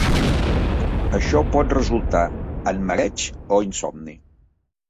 Això pot resultar en mareig o insomni.